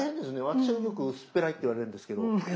私はよく薄っぺらいって言われるんですけど。